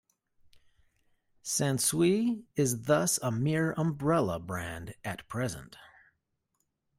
Sansui is thus a mere umbrella brand at present.